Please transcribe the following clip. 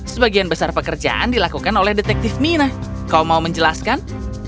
sebagian besar pekerjaan dilakukan oleh detektif mina kau mau menjelaskan